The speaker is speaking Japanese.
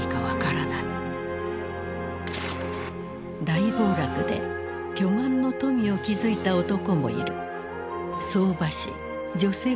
大暴落で巨万の富を築いた男もいる。